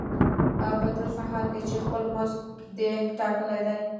په داسې حال کې چې خپل مزد دې ټاکلی دی